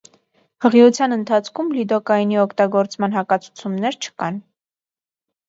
Հղիության ընթացքում լիդոկաինի օգտագործման հակացուցումներ չկան։